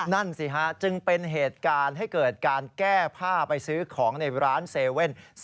นั่นสิฮะจึงเป็นเหตุการณ์ให้เกิดการแก้ผ้าไปซื้อของในร้าน๗๑๑